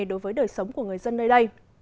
đối với đời sống của người dân nơi đây